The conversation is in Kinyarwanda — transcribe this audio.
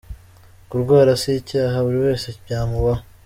Kurwara si icyaha ,buri wese byamubaho.